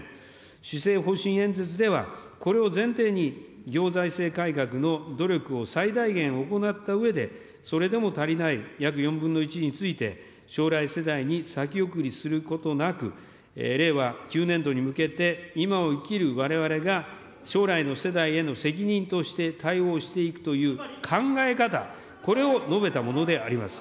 施政方針演説では、これを前提に、行財政改革の努力を最大限行ったうえで、それでも足りない約４分の１について、将来世代に先送りすることなく、令和９年度に向けて今を生きるわれわれが、将来の世代への責任として対応していくという考え方、これを述べたものであります。